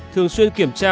sáu thường xuyên kiểm tra